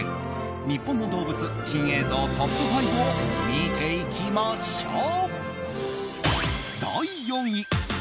日本の動物珍映像トップ５を見ていきましょう。